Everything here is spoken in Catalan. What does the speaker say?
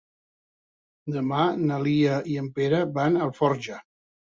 Demà na Lia i en Pere van a Alforja.